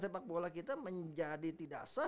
sepak bola kita menjadi tidak sah